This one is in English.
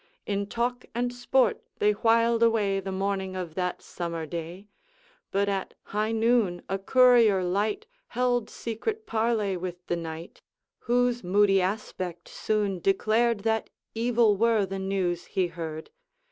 In talk and sport they whiled away The morning of that summer day; But at high noon a courier light Held secret parley with the knight, Whose moody aspect soon declared That evil were the news he heard.